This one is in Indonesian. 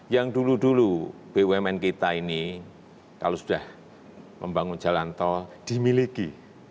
yang dulu dulu bumn kita ini kalau sudah membangun jalan tol dimiliki